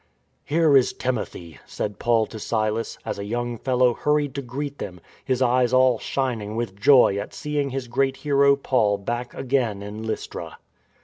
" Here is Timothy," said Paul to Silas, as a young fellow hurried to greet them, his eyes all shining with joy at seeing his great hero Paul back again in Lystra.